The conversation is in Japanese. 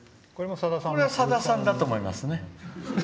これは、さださんだと思いますね。